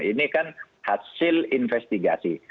ini kan hasil investigasi